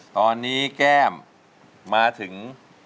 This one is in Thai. ตอนนี้แก้มมาถึง